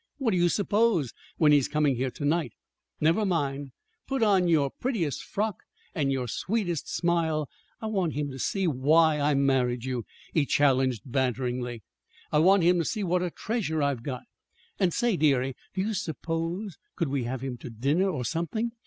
"What do you suppose, when he's coming here to night? Now, mind, put on your prettiest frock and your sweetest smile. I want him to see why I married you," he challenged banteringly. "I want him to see what a treasure I've got. And say, dearie, do you suppose could we have him to dinner, or something?